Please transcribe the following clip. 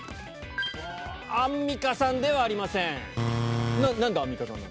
アンミカさんではありません。